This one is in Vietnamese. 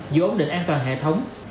giữ ổn định an toàn hệ thống